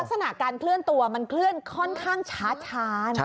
ลักษณะการเคลื่อนตัวมันเคลื่อนค่อนข้างช้าช้านะ